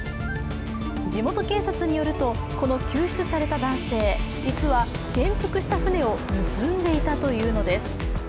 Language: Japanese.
地元警察によるとこの救出された男性、実は転覆した船を盗んでいたというのです。